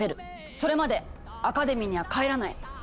それまでアカデミーには帰らない！